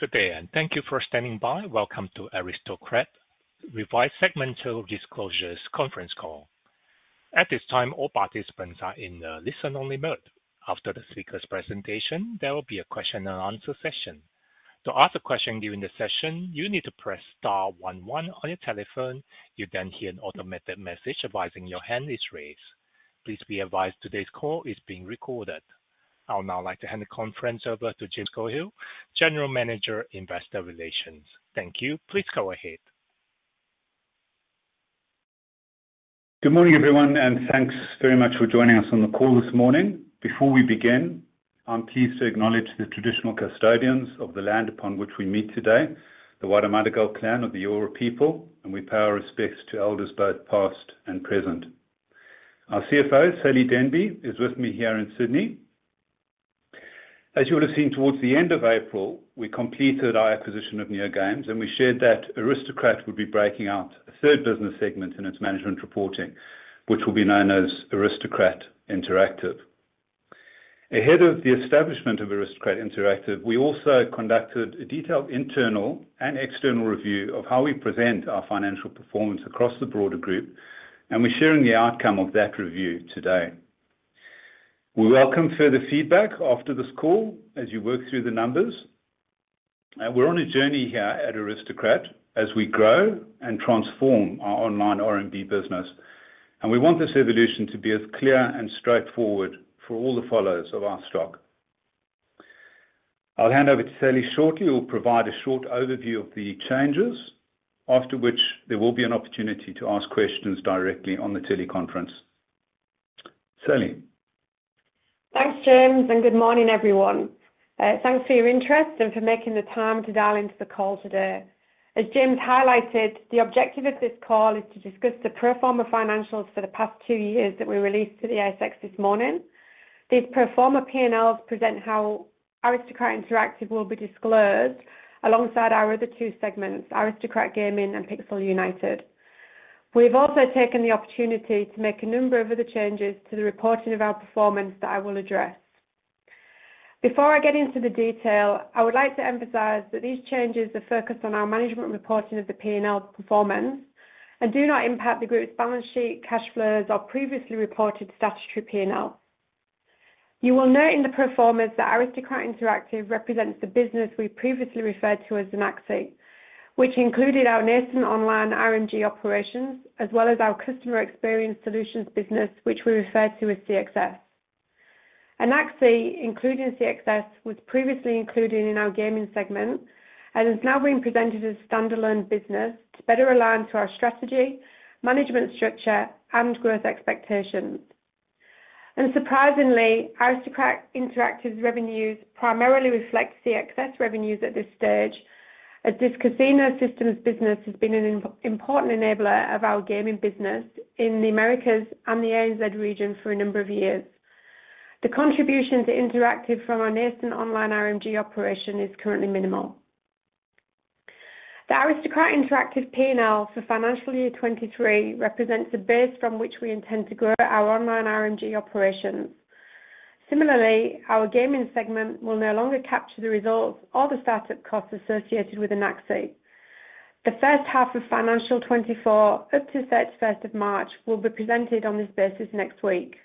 Good day, and thank you for standing by. Welcome to Aristocrat Revised Segmental Disclosures conference call. At this time, all participants are in the listen-only mode. After the speaker's presentation, there will be a question-and-answer session. To ask a question during the session, you need to press *11 on your telephone. You'll then hear an automated message advising your hand is raised. Please be advised today's call is being recorded. I'll now like to hand the conference over to James Coghill, General Manager, Investor Relations. Thank you. Please go ahead. Good morning, everyone, and thanks very much for joining us on the call this morning. Before we begin, I'm pleased to acknowledge the traditional custodians of the land upon which we meet today, the Wallumattagal Clan of the Eora people, and we pay our respects to elders both past and present. Our CFO, Sally Denby, is with me here in Sydney. As you will have seen towards the end of April, we completed our acquisition of NeoGames, and we shared that Aristocrat would be breaking out a third business segment in its management reporting, which will be known as Aristocrat Interactive. Ahead of the establishment of Aristocrat Interactive, we also conducted a detailed internal and external review of how we present our financial performance across the broader group, and we're sharing the outcome of that review today. We welcome further feedback after this call as you work through the numbers. We're on a journey here at Aristocrat as we grow and transform our online R&D business, and we want this evolution to be as clear and straightforward for all the followers of our stock. I'll hand over to Sally shortly. We'll provide a short overview of the changes, after which there will be an opportunity to ask questions directly on the teleconference. Sally. Thanks, James, and good morning, everyone. Thanks for your interest and for making the time to dial into the call today. As James highlighted, the objective of this call is to discuss the pro forma financials for the past two years that were released to the ASX this morning. These pro forma P&Ls present how Aristocrat Interactive will be disclosed alongside our other two segments, Aristocrat Gaming and Pixel United. We've also taken the opportunity to make a number of other changes to the reporting of our performance that I will address. Before I get into the detail, I would like to emphasize that these changes are focused on our management reporting of the P&L performance and do not impact the group's balance sheet, cash flows, or previously reported statutory P&L. You will note in the performers that Aristocrat Interactive represents the business we previously referred to as Anaxi, which included our online RMG operations as well as our customer experience solutions business, which we refer to as CXS. Anaxi, including CXS, was previously included in our gaming segment and has now been presented as a standalone business to better align to our strategy, management structure, and growth expectations. And surprisingly, Aristocrat Interactive's revenues primarily reflect CXS revenues at this stage, as this casino systems business has been an important enabler of our gaming business in the Americas and the ANZ region for a number of years. The contribution to Interactive from our online RMG operation is currently minimal. The Aristocrat Interactive P&L for financial year 2023 represents the base from which we intend to grow our online RMG operations. Similarly, our gaming segment will no longer capture the results or the startup costs associated with Anaxi. The first half of financial 2024, up to 31st of March, will be presented on this basis next week.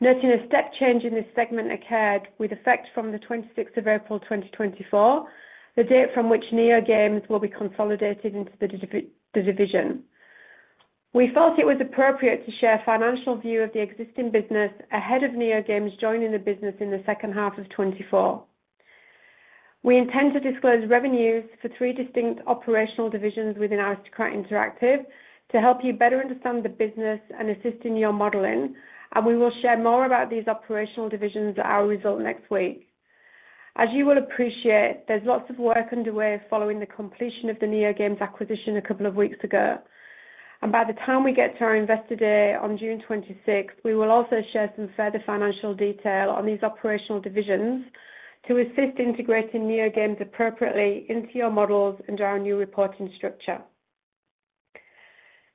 Noting a step change in this segment occurred with effect from the 26th of April, 2024, the date from which NeoGames will be consolidated into the division. We felt it was appropriate to share a financial view of the existing business ahead of NeoGames joining the business in the second half of 2024. We intend to disclose revenues for three distinct operational divisions within Aristocrat Interactive to help you better understand the business and assist in your modeling, and we will share more about these operational divisions at our results next week. As you will appreciate, there's lots of work underway following the completion of the NeoGames acquisition a couple of weeks ago. By the time we get to our investor day on June 26th, we will also share some further financial detail on these operational divisions to assist integrating NeoGames appropriately into your models and our new reporting structure.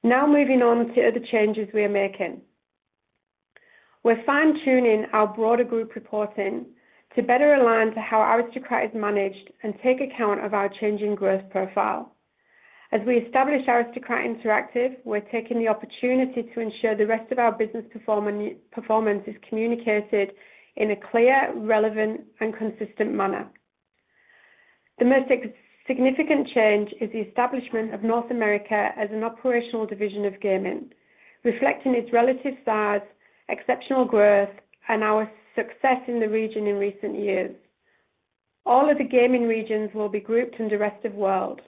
Now moving on to other changes we are making. We're fine-tuning our broader group reporting to better align to how Aristocrat is managed and take account of our changing growth profile. As we establish Aristocrat Interactive, we're taking the opportunity to ensure the rest of our business performance is communicated in a clear, relevant, and consistent manner. The most significant change is the establishment of North America as an operational division of gaming, reflecting its relative size, exceptional growth, and our success in the region in recent years. All of the gaming regions will be grouped under Rest of World.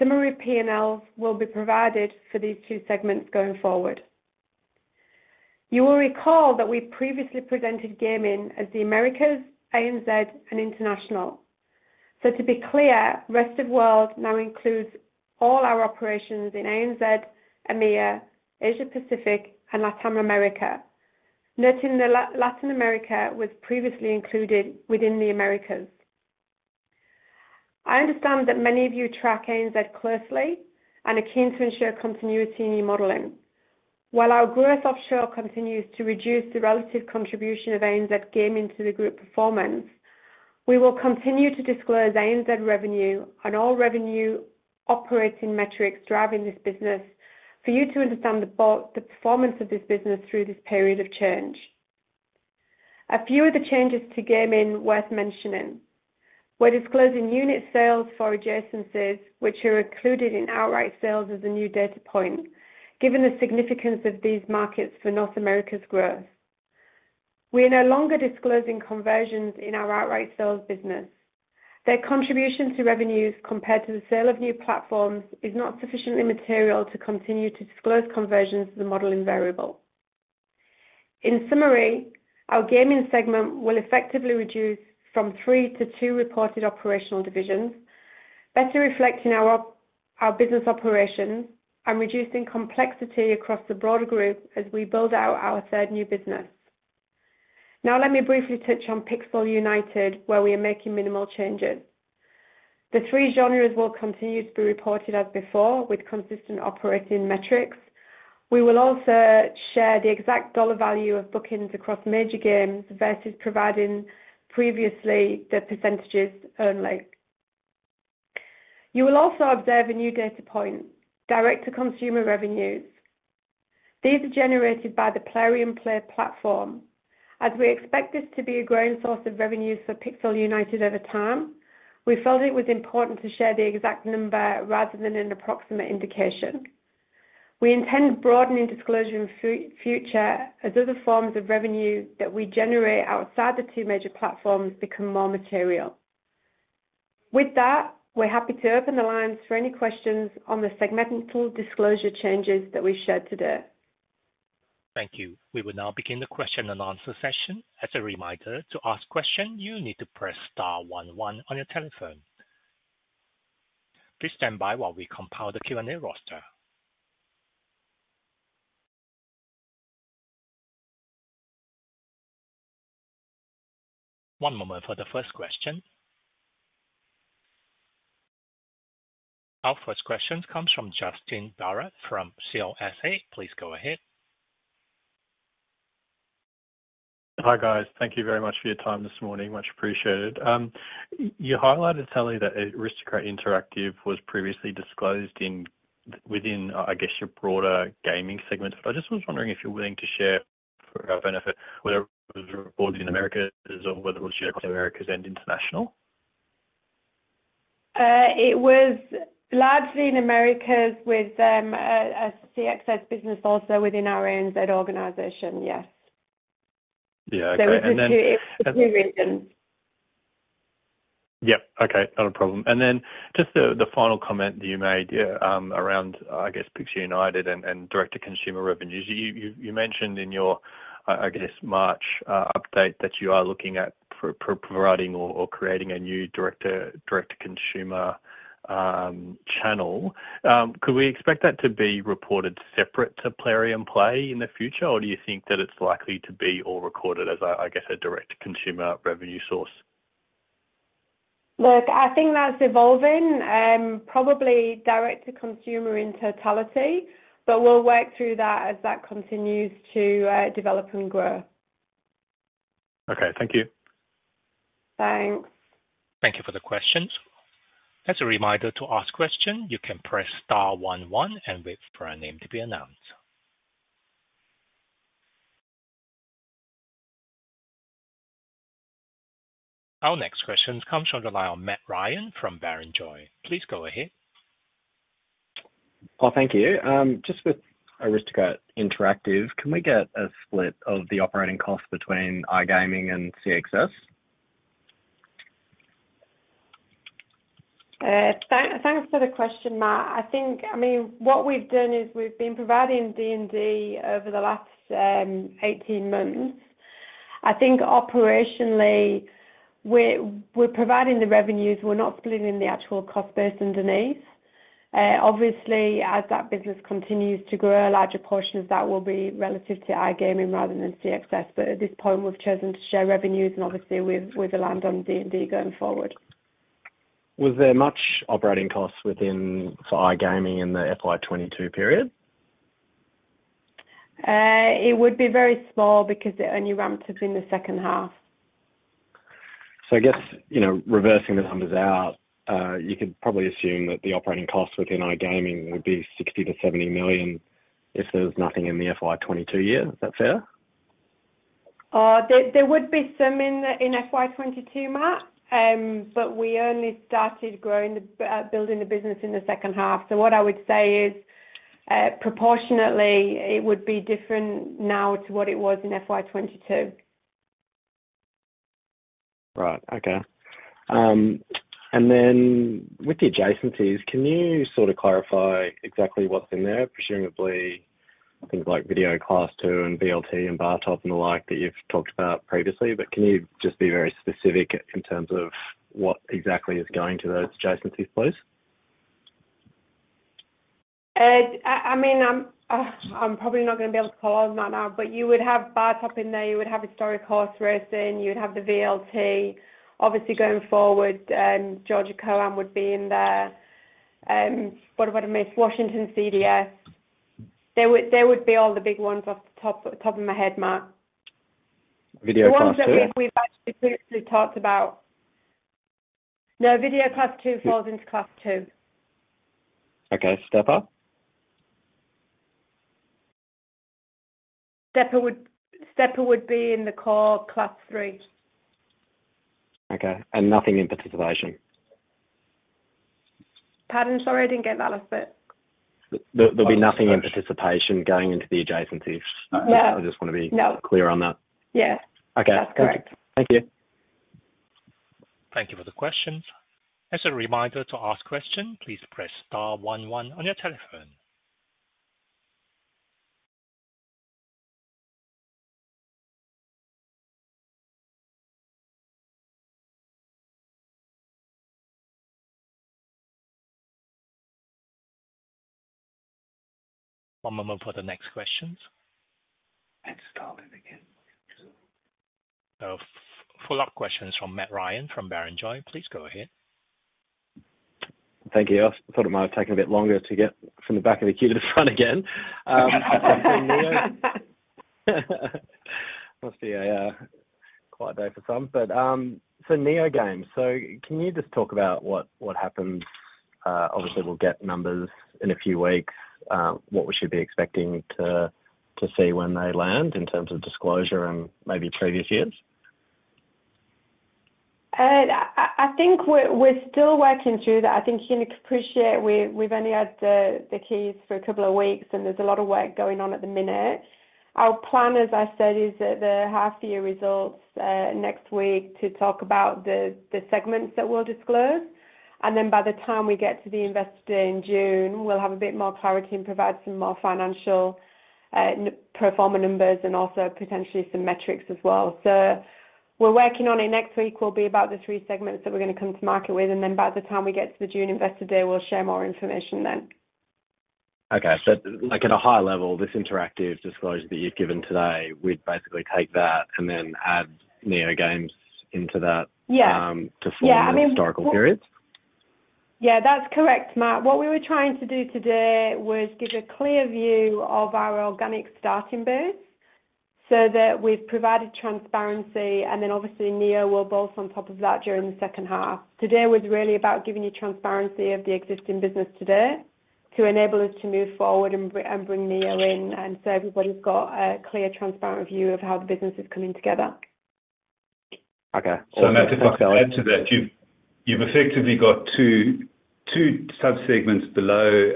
Summary P&Ls will be provided for these two segments going forward. You will recall that we previously presented gaming as the Americas, ANZ, and international. So to be clear, Rest of World now includes all our operations in ANZ, EMEA, Asia-Pacific, and Latin America, noting that Latin America was previously included within the Americas. I understand that many of you track ANZ closely and are keen to ensure continuity in your modeling. While our growth offshore continues to reduce the relative contribution of ANZ gaming to the group performance, we will continue to disclose ANZ revenue and all revenue operating metrics driving this business for you to understand the performance of this business through this period of change. A few of the changes to gaming worth mentioning. We're disclosing unit sales for adjacencies, which are included in outright sales as a new data point, given the significance of these markets for North America's growth. We are no longer disclosing conversions in our outright sales business. Their contribution to revenues compared to the sale of new platforms is not sufficiently material to continue to disclose conversions as a modelling variable. In summary, our gaming segment will effectively reduce from three to two reported operational divisions, better reflecting our business operations and reducing complexity across the broader group as we build out our third new business. Now let me briefly touch on Pixel United, where we are making minimal changes. The three genres will continue to be reported as before with consistent operating metrics. We will also share the exact dollar value of bookings across major games versus providing previously the percentages only. You will also observe a new data point, direct-to-consumer revenues. These are generated by the Plarium Play platform. As we expect this to be a growing source of revenues for Pixel United over time, we felt it was important to share the exact number rather than an approximate indication. We intend broadening disclosure in the future as other forms of revenue that we generate outside the two major platforms become more material. With that, we're happy to open the lines for any questions on the segmental disclosure changes that we shared today. Thank you. We will now begin the question-and-answer session. As a reminder, to ask a question, you need to press *11 on your telephone. Please stand by while we compile the Q&A roster. One moment for the first question. Our first question comes from Justin Barrett from CLSA. Please go ahead. Hi guys. Thank you very much for your time this morning. Much appreciated. You highlighted, Sally, that Aristocrat Interactive was previously disclosed within, I guess, your broader gaming segment, but I just was wondering if you're willing to share for our benefit whether it was reported in Americas or whether it was shared across Americas and international? It was largely in Americas with a CXS business also within our ANZ organization, yes. Yeah, okay. And then two. It was in two regions. Yep. Okay. Not a problem. And then just the final comment that you made around, I guess, Pixel United and direct-to-consumer revenues. You mentioned in your, I guess, March update that you are looking at providing or creating a new direct-to-consumer channel. Could we expect that to be reported separate to Player X Player in the future, or do you think that it's likely to be all recorded as, I guess, a direct-to-consumer revenue source? Look, I think that's evolving, probably direct-to-consumer in totality, but we'll work through that as that continues to develop and grow. Okay. Thank you. Thanks. Thank you for the questions. As a reminder to ask a question, you can press *11 and wait for a name to be announced. Our next questions come from the line of Matt Ryan from Barrenjoey. Please go ahead. Well, thank you. Just with Aristocrat Interactive, can we get a split of the operating costs between iGaming and CXS? Thanks for the question, Matt. I mean, what we've done is we've been providing D&D over the last 18 months. I think operationally, we're providing the revenues. We're not splitting the actual cost base underneath. Obviously, as that business continues to grow, a larger portion of that will be relative to iGaming rather than CXS. But at this point, we've chosen to share revenues, and obviously, we will land on D&D going forward. Was there much operating costs for iGaming in the FY22 period? It would be very small because it only ramped up in the second half. I guess reversing the numbers out, you could probably assume that the operating costs within iGaming would be 60-70 million if there's nothing in the FY22 year. Is that fair? There would be some in FY22, Matt, but we only started building the business in the second half. So what I would say is proportionately, it would be different now to what it was in FY22. Right. Okay. And then with the adjacencies, can you sort of clarify exactly what's in there? Presumably, things like Video Class II and VLT and Bartop and the like that you've talked about previously, but can you just be very specific in terms of what exactly is going to those adjacencies, please? I mean, I'm probably not going to be able to call all of them out now, but you would have Bartop in there. You would have Historical Horse Racing. You would have the VLT. Obviously, going forward, Georgia COAM would be in there. What about Washington CDS? There would be all the big ones off the top of my head, Matt. Video Class II. The ones that we've actually previously talked about. No, video Class II falls into Class II. Okay. Steppa? Stepper would be in the core Class III. Okay. And nothing in participation? Pardon? Sorry, I didn't get that last bit. There'll be nothing in participation going into the adjacencies. I just want to be clear on that. Yeah. That's correct. Okay. Thank you. Thank you for the questions. As a reminder to ask a question, please press *11 on your telephone. One moment for the next questions. It's starting again. Follow-up questions from Matt Ryan from Barrenjoey. Please go ahead. Thank you. I thought it might have taken a bit longer to get from the back of the queue to the front again. Must be a quiet day for some. So NeoGames, so can you just talk about what happens? Obviously, we'll get numbers in a few weeks. What should we be expecting to see when they land in terms of disclosure and maybe previous years? I think we're still working through that. I think you can appreciate we've only had the keys for a couple of weeks, and there's a lot of work going on at the minute. Our plan, as I said, is at the half-year results next week to talk about the segments that we'll disclose. And then by the time we get to the investor day in June, we'll have a bit more clarity and provide some more financial performance numbers and also potentially some metrics as well. So we're working on it next week. We'll be about the three segments that we're going to come to market with. And then by the time we get to the June investor day, we'll share more information then. Okay. So at a high level, this interactive disclosure that you've given today, we'd basically take that and then add NeoGames into that to form the historical period? Yeah. That's correct, Matt. What we were trying to do today was give a clear view of our organic starting base so that we've provided transparency. And then obviously, Neo will bolt on top of that during the second half. Today was really about giving you transparency of the existing business today to enable us to move forward and bring Neo in. And so everybody's got a clear, transparent view of how the business is coming together. Okay. So Matt, to add to that, you've effectively got two subsegments below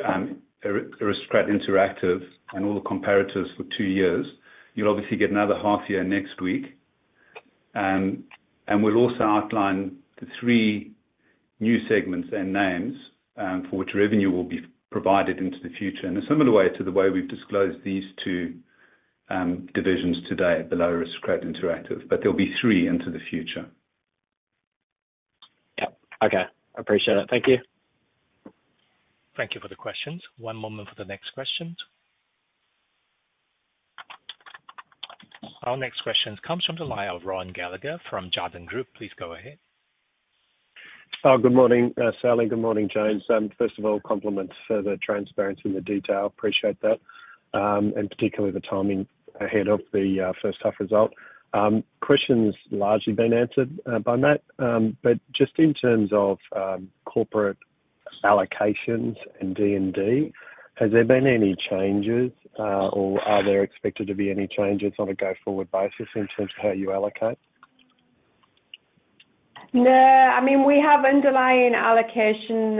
Aristocrat Interactive and all the comparators for two years. You'll obviously get another half-year next week. We'll also outline the three new segments and names for which revenue will be provided into the future in a similar way to the way we've disclosed these two divisions today below Aristocrat Interactive. But there'll be three into the future. Yep. Okay. Appreciate it. Thank you. Thank you for the questions. One moment for the next questions. Our next question comes from the line of Rohan Gallagher from Jarden Group. Please go ahead. Good morning, Sally. Good morning, James. First of all, compliments for the transparency and the detail. Appreciate that, and particularly the timing ahead of the first-half result. Questions largely been answered by Matt. But just in terms of corporate allocations and D&D, has there been any changes, or are there expected to be any changes on a go-forward basis in terms of how you allocate? No. I mean, we have underlying allocation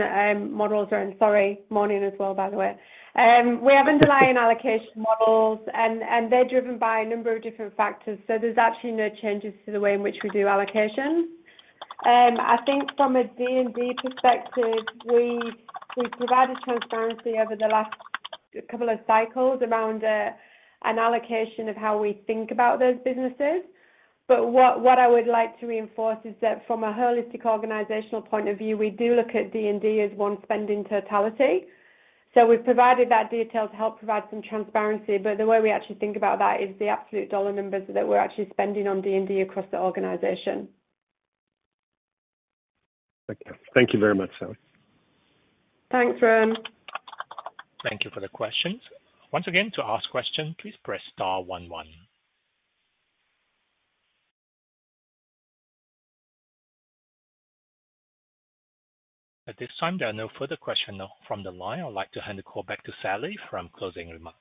models or sorry, morning as well, by the way. We have underlying allocation models, and they're driven by a number of different factors. So there's actually no changes to the way in which we do allocation. I think from a D&D perspective, we've provided transparency over the last couple of cycles around an allocation of how we think about those businesses. But what I would like to reinforce is that from a holistic organizational point of view, we do look at D&D as one spending totality. So we've provided that detail to help provide some transparency. But the way we actually think about that is the absolute dollar numbers that we're actually spending on D&D across the organization. Thank you very much, Sally. Thanks, Ron. Thank you for the questions. Once again, to ask a question, please press star 11. At this time, there are no further questions from the line. I'd like to hand the call back to Sally for closing remarks.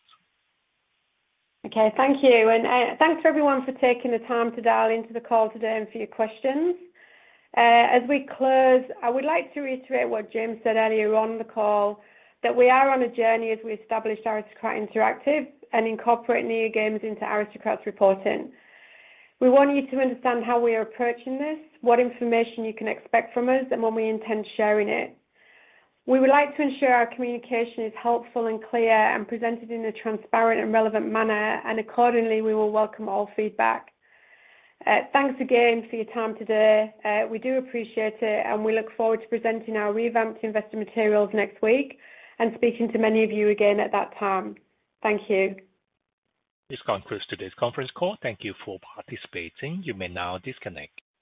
Okay. Thank you. And thanks for everyone for taking the time to dial into the call today and for your questions. As we close, I would like to reiterate what James said earlier on the call, that we are on a journey as we establish Aristocrat Interactive and incorporate NeoGames into Aristocrat's reporting. We want you to understand how we are approaching this, what information you can expect from us, and when we intend sharing it. We would like to ensure our communication is helpful and clear and presented in a transparent and relevant manner. And accordingly, we will welcome all feedback. Thanks again for your time today. We do appreciate it, and we look forward to presenting our revamped investor materials next week and speaking to many of you again at that time. Thank you. This concludes today's conference call. Thank you for participating. You may now disconnect.